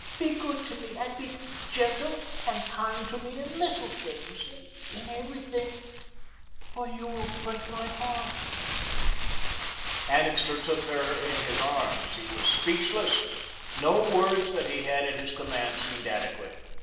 Be good to me and be gentle and kind to me in LITTLE things, in everything, or you will break my heart." Annixter took her in his arms. He was speechless. No words that he had at his command seemed adequate.